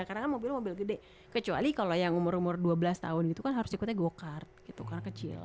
karena mobil mobil gede kecuali kalau yang umur umur dua belas tahun gitu kan harus ikutnya go kart gitu karena kecil